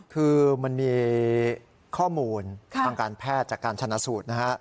คือมันมีข้อมูลทางการแพทย์จากการชนะสูตรนะฮะ